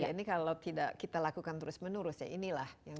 ini kalau tidak kita lakukan terus menurus ya inilah